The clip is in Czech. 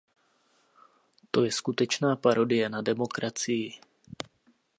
To je skutečná parodie na demokracii.